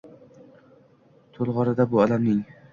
To’lg’orida bu alamning